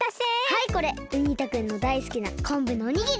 はいこれウニ太くんのだいすきなこんぶのおにぎり。